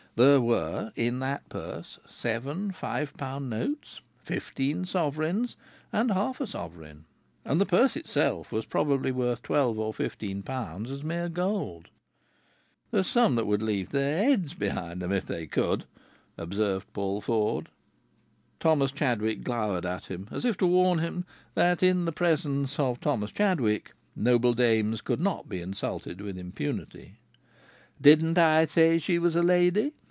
There were, in that purse, seven five pound notes, fifteen sovereigns, and half a sovereign, and the purse itself was probably worth twelve or fifteen pounds as mere gold. "There's some that would leave their heads behind 'em if they could!" observed Paul Ford. Thomas Chadwick glowered at him, as if to warn him that in the presence of Thomas Chadwick noble dames could not be insulted with impunity. "Didn't I say she was a lady?"